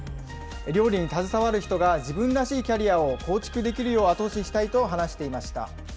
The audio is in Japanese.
料理に携わる人が自分らしいキャリアを構築できるよう後押ししたいと話していました。